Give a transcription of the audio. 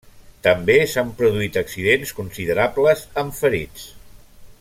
També s'han produït accidents considerables amb ferits.